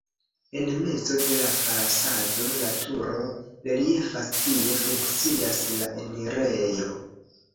En mezo de la fasado la turo reliefas, tie funkcias la enirejo.